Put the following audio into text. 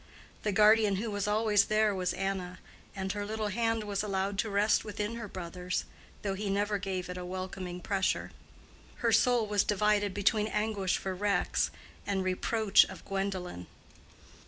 The guardian who was always there was Anna, and her little hand was allowed to rest within her brother's, though he never gave it a welcoming pressure. Her soul was divided between anguish for Rex and reproach of Gwendolen.